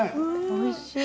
おいしい。